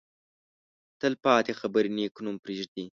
تل پاتې خبرې نېک نوم پرېږدي.